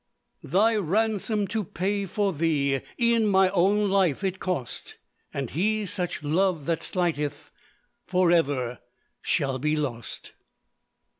"Thy ransom to pay for thee, E'en my own life it cost; And he such love that slighteth, Forever shall be lost."